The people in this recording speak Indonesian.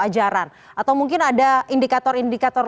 ajaran atau mungkin ada indikator indikator